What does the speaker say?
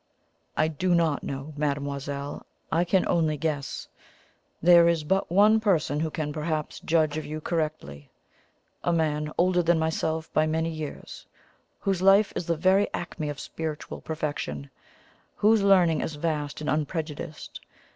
"I do not know, mademoiselle; I can only guess. There is but one person who can perhaps judge of you correctly, a man older than myself by many years whose life is the very acme of spiritual perfection whose learning is vast and unprejudiced.